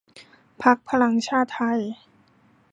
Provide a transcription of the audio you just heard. พรรคพลังชาติไทย